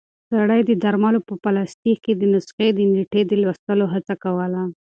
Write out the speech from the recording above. سړی د درملو په پلاستیک کې د نسخې د نیټې د لوستلو هڅه کوله.